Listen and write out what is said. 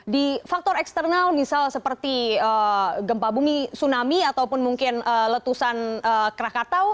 di faktor eksternal misal seperti gempa bumi tsunami ataupun mungkin letusan krakatau